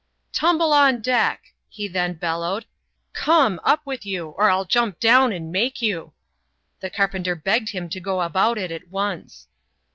" Tumble on deck," he then bellowed —" come, up with you, or m jump down and make you." The carpenter begged him to go about it at once.